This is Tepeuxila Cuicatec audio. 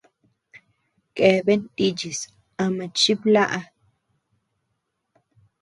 Keaben nichis ama chiblaʼa.